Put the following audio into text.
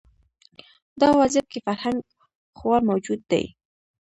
دا وضعیت کې فرهنګ خوار موجود دی